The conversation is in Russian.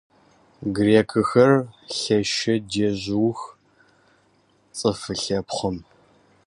Греция горячо поддерживает деятельность Совета по правам человека.